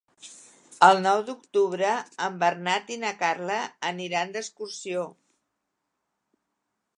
El nou d'octubre en Bernat i na Carla aniran d'excursió.